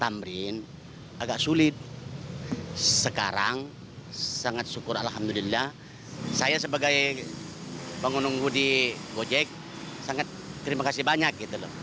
agak sulit sekarang sangat syukur alhamdulillah saya sebagai pengundung di gojek sangat terima kasih banyak